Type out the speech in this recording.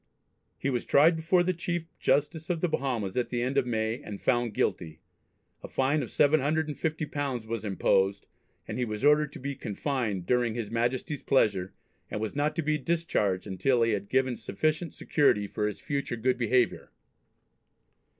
He was tried before the Chief Justice of the Bahamas at the end of May, and found guilty. A fine of £750 was imposed, and he was ordered to be "confined during his Majesty's pleasure," and was not to be discharged until he had given "sufficient security" for his future good behaviour.